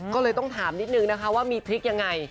ก็เลยต้องถามนิดนึงนะคะว่ามีพริกยังไง